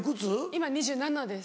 今２７歳です。